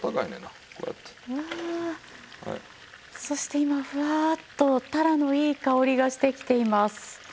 そして今フワッとタラのいい香りがしてきています。